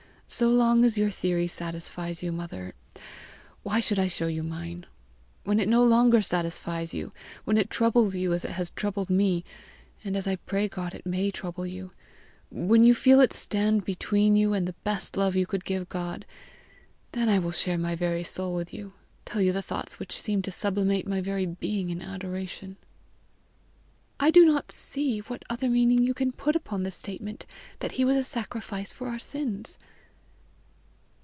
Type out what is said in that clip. So long as your theory satisfies you, mother, why should I show you mine? When it no longer satisfies you, when it troubles you as it has troubled me, and as I pray God it may trouble you, when you feel it stand between you and the best love you could give God, then I will share my very soul with you tell you thoughts which seem to sublimate my very being in adoration." "I do not see what other meaning you can put upon the statement that he was a sacrifice for our sins."